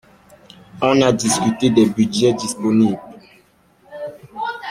On a discuté des budgets disponibles.